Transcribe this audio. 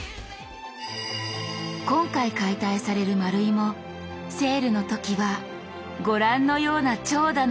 今回解体されるマルイもセールの時はご覧のような長蛇の列。